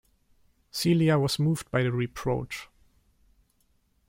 Celia was moved by the reproach.